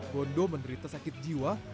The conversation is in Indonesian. gondo menderita sakit jiwa